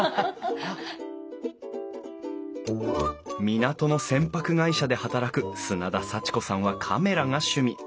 港の船舶会社で働く砂田幸子さんはカメラが趣味。